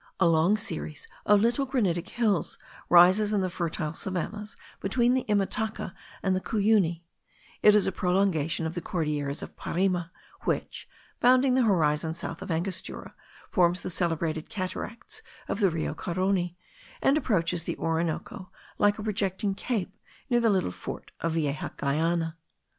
A long series of little granitic hills rises in the fertile savannahs between the Imataca and the Cuyuni; it is a prolongation of the Cordilleras of Parima, which, bounding the horizon south of Angostura, forms the celebrated cataracts of the Rio Caroni, and approaches the Orinoco like a projecting cape near the little fort of Vieja Guyana.